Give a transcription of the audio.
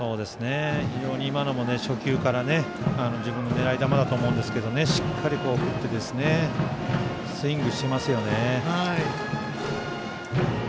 非常に今のも初球から自分の狙い球だと思うんですけどしっかり振ってスイングしてますよね。